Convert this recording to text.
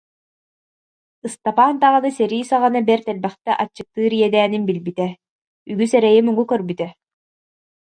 Ыстапаан даҕаны сэрии саҕана бэрт элбэхтэ аччыктыыр иэдээнин билбитэ, үгүс эрэйи-муҥу көрбүтэ